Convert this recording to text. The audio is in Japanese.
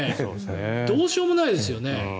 どうしようもないですよね。